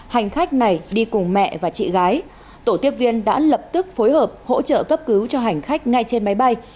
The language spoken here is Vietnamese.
hành khách này đi cùng mẹ và chị gái tổ tiếp viên đã lập tức phối hợp hỗ trợ cấp cứu cho hành khách ngay trên máy bay